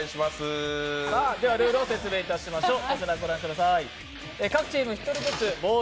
では、ルールを説明いたしましょう。